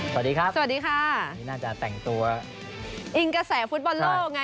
สวัสดีครับสวัสดีค่ะนี่น่าจะแต่งตัวอิงกระแสฟุตบอลโลกไง